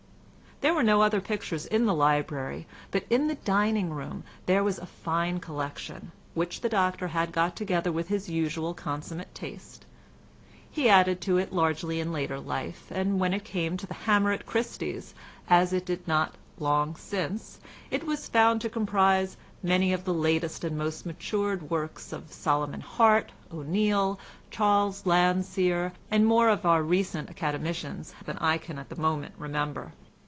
There were no other pictures in the library, but in the dining room there was a fine collection, which the doctor had got together with his usual consummate taste. He added to it largely in later life, and when it came to the hammer at Christie's, as it did not long since, it was found to comprise many of the latest and most matured works of Solomon Hart, O'Neil, Charles Landseer, and more of our recent Academicians than I can at the moment remember.